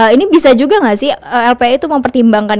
ini bisa juga nggak sih lpi itu mempertimbangkan